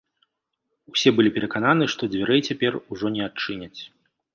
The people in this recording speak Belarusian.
Усе былі перакананы, што дзвярэй цяпер ужо не адчыняць.